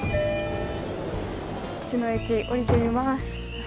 内野駅降りてみます。